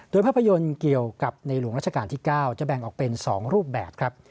โดยภาพยนตร์เกี่ยวกับในหลวงราชการที่๙จะแบ่งออกเป็น๒รูปแบบครับ